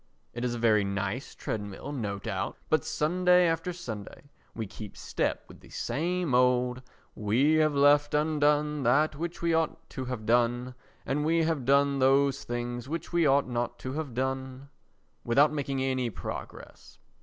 It is a very nice treadmill no doubt, but Sunday after Sunday we keep step with the same old "We have left undone that which we ought to have done; And we have done those things which we ought not to have done" without making any progress.